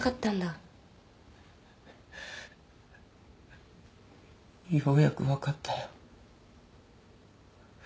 ようやく分かったよ。